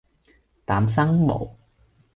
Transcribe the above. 膽生毛